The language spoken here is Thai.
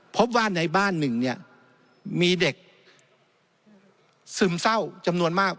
พบว่าในบ้านหนึ่งเนี่ยมีเด็กซึมเศร้าจำนวนมาก